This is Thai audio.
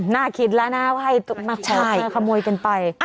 น่าคิดแล้วนะว่าให้ขโมยกันไป